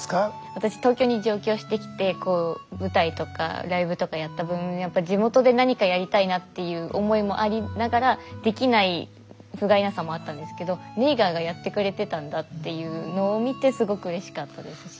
私東京に上京してきてこう舞台とかライブとかやった分やっぱり地元で何かやりたいなっていう思いもありながらできないふがいなさもあったんですけどネイガーがやってくれてたんだっていうのを見てすごくうれしかったですし。